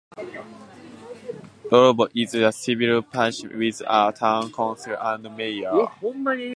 Ludlow is a civil parish with a town council and a mayor.